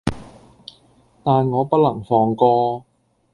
但我不能放歌